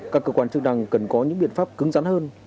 các cơ quan chức năng cần có những biện pháp cứng rắn hơn